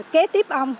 kế tiếp ông